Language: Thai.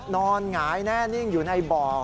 หงายแน่นิ่งอยู่ในบ่อ